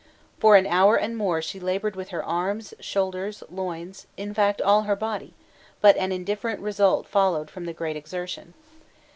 For an hour and more she laboured with her arms, shoulders, loins, in fact, all her body; but an indifferent result followed from the great exertion.